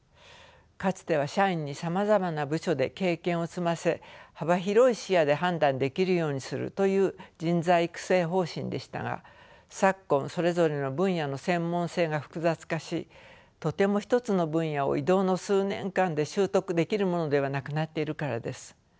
かつては社員にさまざまな部署で経験を積ませ幅広い視野で判断できるようにするという人材育成方針でしたが昨今それぞれの分野の専門性が複雑化しとても一つの分野を異動の数年間で習得できるものではなくなっているからです。